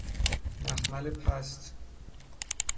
مخمل پست